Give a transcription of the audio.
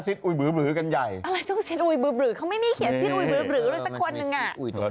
ซีดอุ๋ยบลือกันใหญ่อะไรจังซีดอุ๋ยบลือเขาไม่มีเขียนซีดอุ๋ยบลือเลยสักคนหนึ่งอ่ะ